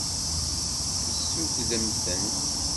Tessugdem-tent.